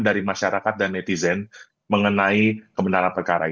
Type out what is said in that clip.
dari masyarakat dan netizen mengenai kebenaran perkara ini